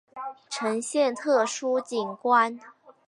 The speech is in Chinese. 呈现特殊景观